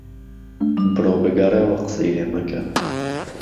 بڕۆ بگهڕيوه قسەی لێ مهکه